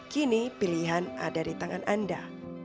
kini pilihan ada di tangan anda